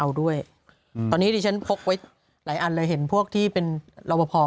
ด้วยอืมตอนนี้ดิฉันพกไว้หลายอันเลยเห็นพวกที่เป็นรอบพอ